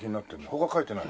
他は描いてない？